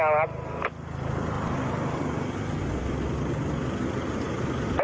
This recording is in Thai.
แล้วจบแล้ว